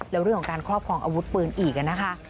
แล้วเรื่องของการครอบครองอาวุธปืนอีกนะคะ